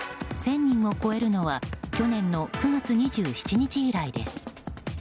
１０００人を超えるのは去年の９月２７日以来です。